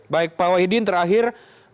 baik pak wahidin terakhir